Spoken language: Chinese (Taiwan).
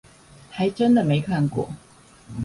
還真的沒看過